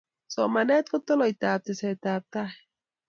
Somanet ko toloitab tesetab tai